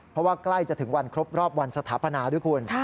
เพราะว่าใกล้จะถึงวันครบรอบวันสถาปนาด้วยคุณ